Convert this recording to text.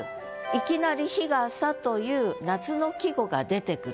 いきなり「日傘」という夏の季語が出てくる。